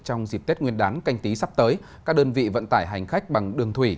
trong dịp tết nguyên đán canh tí sắp tới các đơn vị vận tải hành khách bằng đường thủy